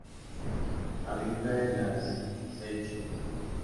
Habita en las Seychelles.